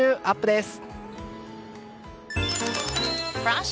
です！